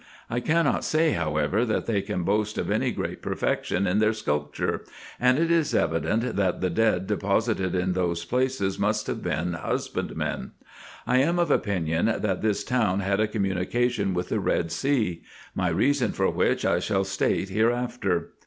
I cannot say, however, that they can boast of any great perfection in their sculpture ; and it is evident that the dead deposited in those places must have been husbandmen. I am of opinion that this town had a communication with the Red Sea ; my reason for which I shall state hereafter.